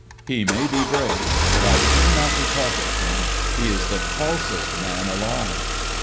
"He may be brave, but I care not to talk of him. He is the falsest man alive."